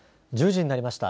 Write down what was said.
１０時になりました。